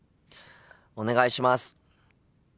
お願いします。